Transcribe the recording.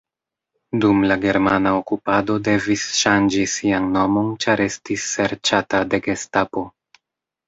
Dum la germana okupado devis ŝanĝi sian nomon ĉar estis serĉata de gestapo.